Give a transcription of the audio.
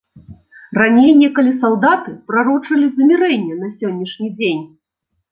Раней некалі салдаты прарочылі замірэнне на сённяшні дзень.